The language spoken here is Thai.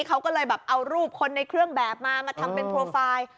เขาก็เลยแบบเอารูปคนในเครื่องแบบมามาทำเป็นโปรไฟล์